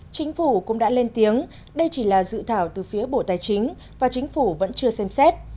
chính phủ cũng đã lên tiếng đây chỉ là dự thảo từ phía bộ tài chính và chính phủ vẫn chưa xem xét